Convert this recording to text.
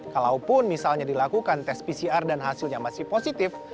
kalaupun misalnya dilakukan tes pcr dan hasilnya masih positif